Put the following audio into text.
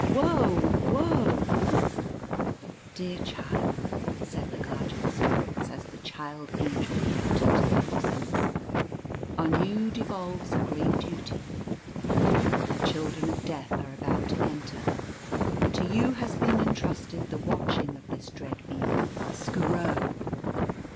Woe ! woe !"" Dear Child," said the Guardian Spirits, as the Child Angel crept into their bosoms, " on you devolves a great duty. The Children of Death are about to enter. To you has been entrusted the watching of this dread Being, Skooro.